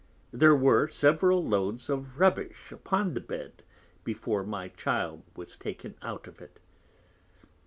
There were several Loads of Rubbish upon the Bed before my Child was taken out of it.